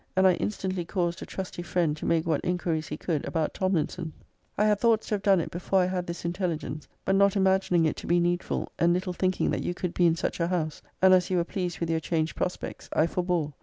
And I instantly caused a trusty friend to make what inquiries he could about Tomlinson. >>> I had thoughts to have done it before I had this intelligence: but not imagining it to be needful, and little thinking that you could be in such a house, and as you were pleased with your changed prospects, I >>> forbore.